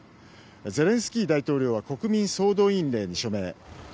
ゼレンスキー大統領は国民総動員令に署名。